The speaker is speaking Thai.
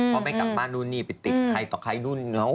เพราะไม่กลับบ้านนู่นนี่ไปติดใครต่อใครนู่น